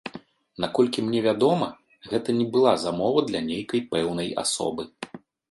Наколькі мне вядома, гэта не была замова для нейкай пэўнай асобы.